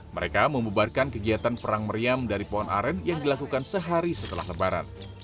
mereka membubarkan kegiatan perang meriam dari pohon aren yang dilakukan sehari setelah lebaran